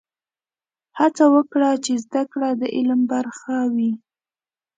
هڅه وکړه چې زده کړه د عمل برخه وي.